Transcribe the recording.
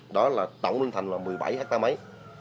đó là tổng lên thành là một mươi bảy hectare mấy